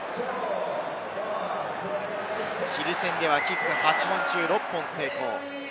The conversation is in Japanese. チリ戦ではキック８本中６本成功。